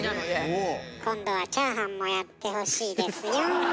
今度はチャーハンもやってほしいですよ。